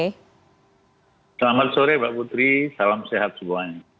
selamat sore mbak putri salam sehat semuanya